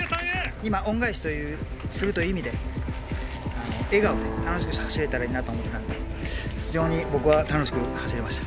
今、恩返しをするという意味で、笑顔で楽しく走れたらいいなと思ってたんで、非常に僕は楽しく走れました。